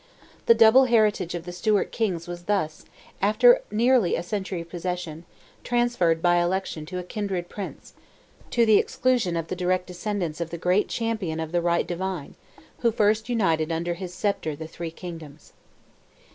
The double heritage of the Stuart kings was thus, after nearly a century of possession, transferred by election to a kindred prince, to the exclusion of the direct descendants of the great champion of "the right divine," who first united under his sceptre the three kingdoms.